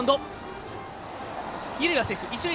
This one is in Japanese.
二塁はセーフ。